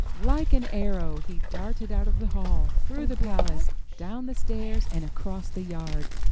Like an arrow he darted out of the hall, through the palace, down the stairs, and across the yard.